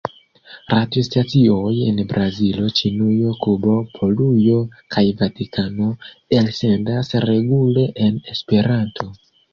Radiostacioj en Brazilo, Ĉinujo, Kubo, Polujo kaj Vatikano elsendas regule en Esperanto.